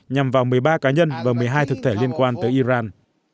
nhằm vào một mươi ba cá nhân và một mươi hai thực thể liên quan tới iran